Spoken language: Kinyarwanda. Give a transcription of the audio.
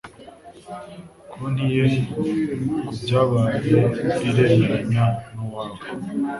Konti ye kubyabaye iremeranya nuwawe.